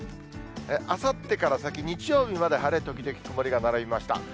あさってから先、日曜日まで晴れ時々曇りが並びました。